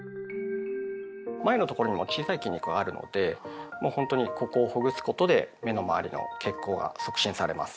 眉のところにも小さい筋肉はあるのでもうほんとにここをほぐすことで目の周りの血行が促進されます。